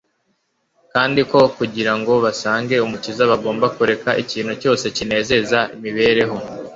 kandi ko kugira ngo basange Umukiza bagomba kureka ikintu cyose kinezeza imibereho.